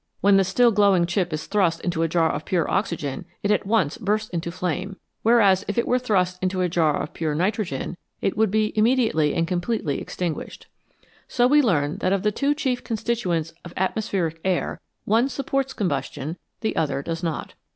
When the still glowing chip is thrust into a jar of pure oxygen it at once bursts into flame, whereas if it were thrust into a jar of pure nitrogen it would be immediately and completely ex tinguished. So we learn that of the two chief constituents of atmospheric air one supports combustion, the other does not.